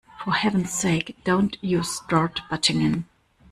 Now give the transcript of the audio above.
For heaven's sake, don't you start butting in.